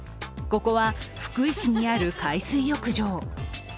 ここは福井市にある海水浴場。